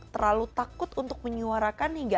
terlalu takut untuk menyuarakan hingga